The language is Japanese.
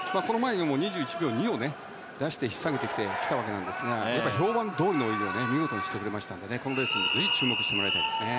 ２１秒２を引っ提げて来たわけですが評判どおりの泳ぎを見事にしてくれたのでこのレースもぜひ注目してもらいたいですね。